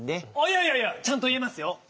いやいやいやちゃんといえますよ。